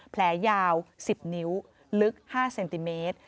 แผลยาว๑๐นิ้วลึก๕เซนติเมตร